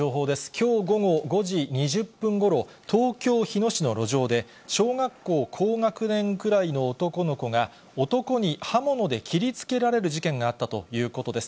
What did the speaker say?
きょう午後５時２０分ごろ、東京・日野市の路上で、小学校高学年くらいの男の子が、男に刃物で切りつけられる事件があったということです。